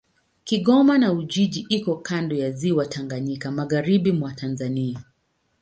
Kigoma na Ujiji iko kando ya Ziwa Tanganyika, magharibi mwa Tanzania.